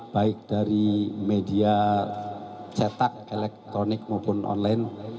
baik dari media cetak elektronik maupun online